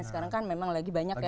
sekarang kan memang lagi banyak ya